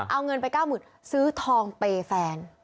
เอาเงินไป๙๐๐๐ซื้อทองเปย์แฟน